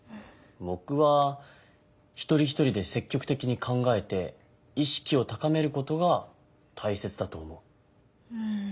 ぼくは「一人一人で積極的に考えて意識を高める」ことがたいせつだと思う。